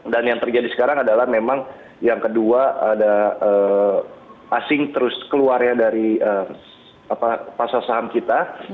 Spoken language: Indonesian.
dan yang terjadi sekarang adalah memang yang kedua ada asing terus keluarnya dari pasar saham kita